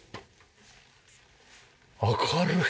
明るい。